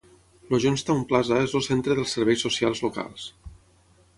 El Jonestown Plaza és el centre dels serveis socials locals.